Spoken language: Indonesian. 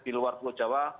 di luar pulau jawa